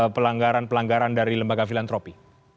pelanggaran pelanggaran dari lembaga filantropi